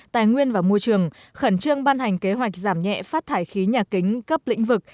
tài nguyên và môi trường khẩn trương ban hành kế hoạch giảm nhẹ phát thải khí nhà kính cấp lĩnh vực